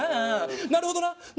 なるほどな！